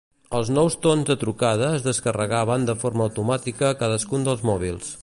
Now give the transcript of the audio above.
Els nous tons de trucada es descarregaven de forma automàtica a cadascun dels mòbils.